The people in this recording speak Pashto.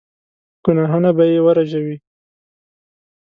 ګناهونه به يې ور ورژوي.